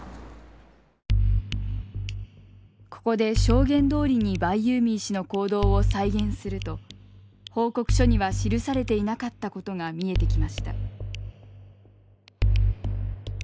ここで証言どおりにバイユーミー氏の行動を再現すると報告書には記されていなかったことが見えてきました。